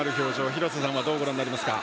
廣瀬さんはどうご覧になりますか？